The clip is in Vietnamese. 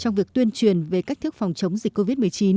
thì việc tuyên truyền về cách thước phòng chống dịch covid một mươi chín